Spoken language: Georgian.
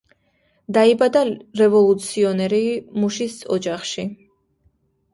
დაიბადა რევოლუციონერი მუშის ოჯახში.